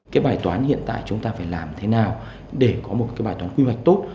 cái bài toán hiện tại chúng ta phải làm thế nào để có một cái bài toán quy hoạch tốt